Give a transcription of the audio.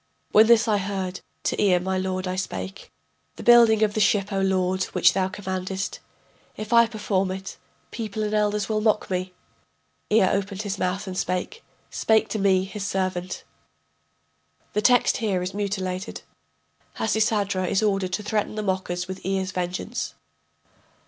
] When this I heard to Ea my lord I spake: The building of the ship, O lord, which thou commandest If I perform it, people and elders will mock me. Ea opened his mouth and spake, Spake to me, his servant: [The text is here mutilated: Hasisadra is ordered to threaten the mockers with Ea's vengeance.